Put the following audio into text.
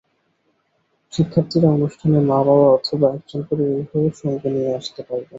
শিক্ষার্থীরা অনুষ্ঠানে মা-বাবা অথবা একজন করে অভিভাবক সঙ্গে নিয়ে আসতে পারবেন।